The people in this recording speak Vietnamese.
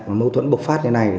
mâu thuẫn bộc phát như thế này